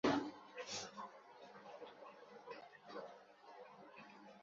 তবে সেখানে পর্যাপ্তসংখ্যক লোকবল নিয়োগ করা হবে, যাতে শান্তিপূর্ণ ভোট গ্রহণ হয়।